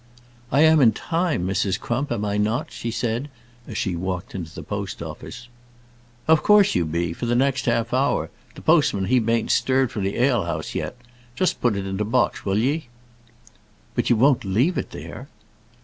"I am in time, Mrs. Crump, am I not?" she said, as she walked into the post office. "Of course you be, for the next half hour. T' postman he bain't stirred from t' ale'us yet. Just put it into t' box, wull ye?" "But you won't leave it there?"